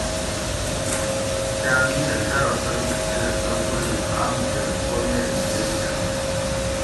کاۤں مِیش اۤ شرہ تلوش تے سہۤ ووئ قاۤم کہۤ گو میری گیل کۤرنش